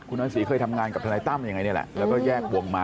น้อยศรีเคยทำงานกับทนายตั้มยังไงนี่แหละแล้วก็แยกวงมา